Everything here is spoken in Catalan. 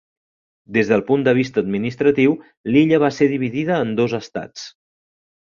Des del punt de vista administratiu, l'illa va ser dividida en dos estats.